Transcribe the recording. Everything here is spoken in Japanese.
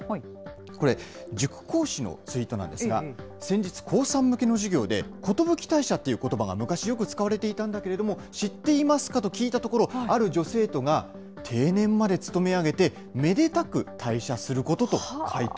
これ、塾講師のツイートなんですが、先日、高３向けの授業で、寿退社ということばが昔、よく使われていたんだけれども、知っていますか？と聞いたところ、ある女生徒が、定年まで勤め上げて、めでたく退社することと回答。